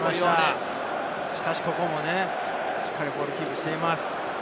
しかしここもね、しっかりキープしています。